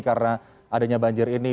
karena adanya banjir ini